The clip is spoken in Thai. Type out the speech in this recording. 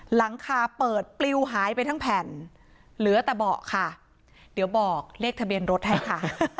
หลังคาเปิดปลิวหายไปทั้งแผ่นเหลือแต่เบาะค่ะเดี๋ยวบอกเลขทะเบียนรถให้ค่ะ